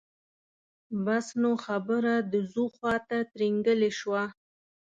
بس نو خبره د ځو خواته ترینګلې شوه.